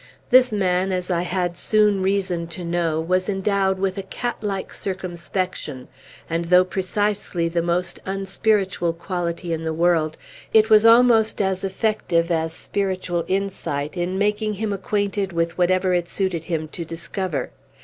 This man, as I had soon reason to know, was endowed with a cat like circumspection; and though precisely the most unspiritual quality in the world, it was almost as effective as spiritual insight in making him acquainted with whatever it suited him to discover.